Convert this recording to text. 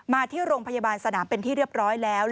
มาที่โรงพยาบาลสนามเป็นที่เรียบร้อยแล้ว